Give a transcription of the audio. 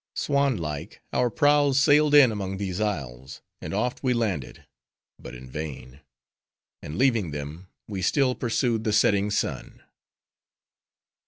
Swan like, our prows sailed in among these isles; and oft we landed; but in vain; and leaving them, we still pursued the setting sun.